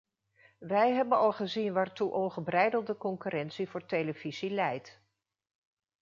Wij hebben al gezien waartoe ongebreidelde concurrentie voor televisie leidt.